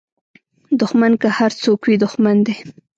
دوښمن که هر څوک وي دوښمن دی